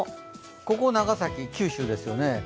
ここ長崎、九州ですよね。